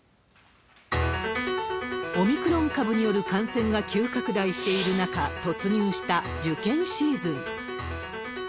オミクロン株による感染が急拡大している中、突入した受験シーズン。